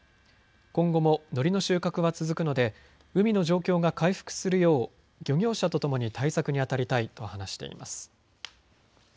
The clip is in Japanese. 今後ものりの収穫は続くので海の状況が回復するよう漁業者とともに対策にあたりたいと話しています。